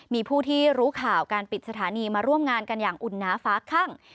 มีผู้ที่รู้ข่าวการปิดสถานีมาร่วมงานกันอย่างอุ่นน้าฟ้าคั่ง